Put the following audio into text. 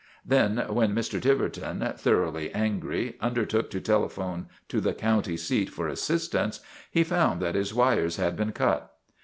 Then when Mr. Tiverton, thoroughly angry, undertook to telephone to the county seat for assistance, he found that his wires had been cut.